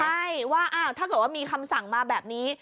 ใช่ว่าถ้าเกิดว่ามีคำสั่งมาแบบนี้